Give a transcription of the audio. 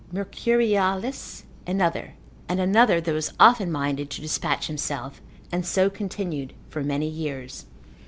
Mercurialis another, and another that was often minded to despatch himself, and so continued for many years.